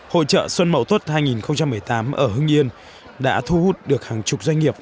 hội trợ xuân mậu tuất hai nghìn một mươi tám ở hưng yên đã thu hút được hàng chục doanh nghiệp